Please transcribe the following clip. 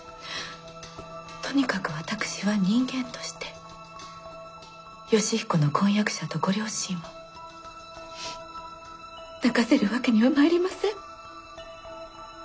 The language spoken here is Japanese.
とにかく私は人間として義彦の婚約者とご両親を泣かせるわけにはまいりません。